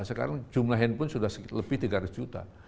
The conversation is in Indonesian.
sekarang jumlah handphone sudah lebih tiga ratus juta